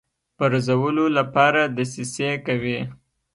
پرزولو لپاره دسیسې کوي.